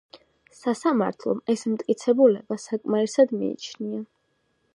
სასამართლომ ეს მტკიცებულება საკმარისად მიიჩნია.